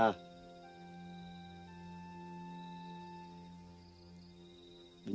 nanti kau ke nutang